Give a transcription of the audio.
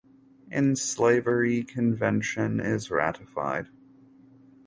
In Slavery Convention is ratified.